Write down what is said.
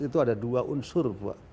itu ada dua unsur